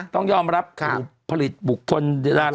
ต้องยอมรับผลิตบุคคลลาลาดิก